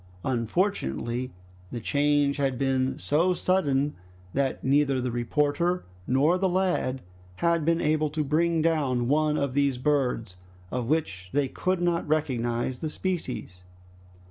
Unfortunately the change had been so sudden, that neither the reporter nor the lad had been able to bring down one of these birds, of which they could not recognize the species.